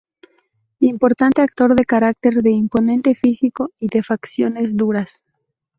Importante actor de carácter, de imponente físico y de facciones duras.